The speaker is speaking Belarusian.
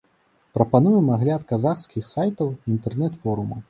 Прапануем агляд казахскіх сайтаў і інтэрнэт-форумаў.